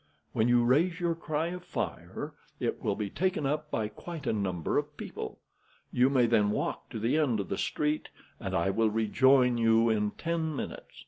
When you raise your cry of fire, it will be taken up by quite a number of people. You may then walk to the end of the street, and I will rejoin you in ten minutes.